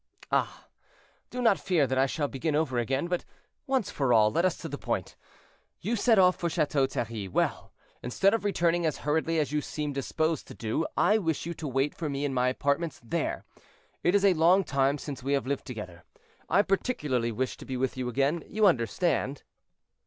"Ah! do not fear that I shall begin over again; but, once for all, let us to the point. You set off for Chateau Thierry; well, instead of returning as hurriedly as you seem disposed to do, I wish you to wait for me in my apartments there; it is a long time since we have lived together. I particularly wish to be with you again, you understand."